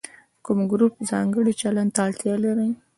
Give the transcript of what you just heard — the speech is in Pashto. کوم ګروپ ځانګړي چلند ته اړتیا لري.